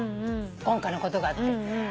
今回のことがあって。